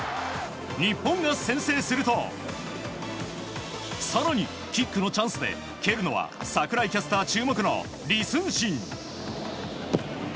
日本が先制すると更にキックのチャンスで蹴るのは櫻井キャスター注目のリ・スンシン。